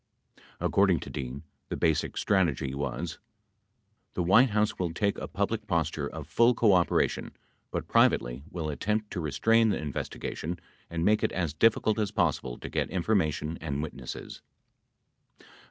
4 According to Dean, the basic strategy was : The White House will take a public posture of full coopera tion but privately will attempt to restrain the investigation and make it as difficult as possible to get information and wit nesses.